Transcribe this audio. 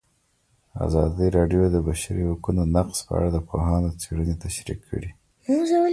ازادي راډیو د د بشري حقونو نقض په اړه د پوهانو څېړنې تشریح کړې.